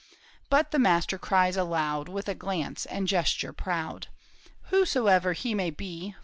" But the master cries aloud With a glance and gesture proud, '' Whosoever he may be.